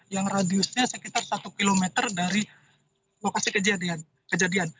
yang radiusnya sekitar satu km dari lokasi kejadian